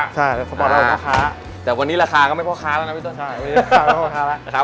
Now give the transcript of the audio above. แต่วันนี้ราคาก็ไม่เพราะข้าแล้วนะพี่ต้อน